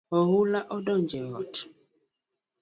Oula odonjo e ot